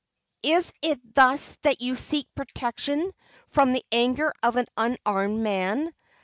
"Is it thus that you seek protection from the anger of an unarmed man?